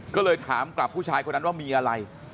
ก็เลยถามกลับผู้ชายคนนั้นว่ามีอะไร